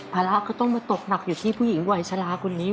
ภาระก็ต้องมาตกหนักอยู่ที่ผู้หญิงวัยชะลาคนนี้